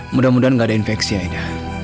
mudah mudahan gak ada infeksi aida